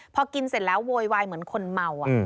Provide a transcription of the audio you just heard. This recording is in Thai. พอกินเสร็จแล้วโวยวายเหมือนคนเมา